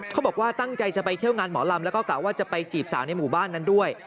เขาบอกว่าตั้งใจจะไปเที่ยวงานหมอลำแล้วก็กะว่าจะไปจีบสาวในหมู่บ้านนั้นด้วย